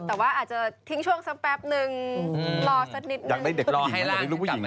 แต่ว่าอาจจะทิ้งช่วงสักแป๊บนึงรอสักนิดนึงอยากได้ลูกผู้หญิงด้วย